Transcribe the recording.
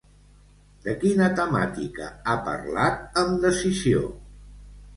De quina temàtica ha parlat amb decisió?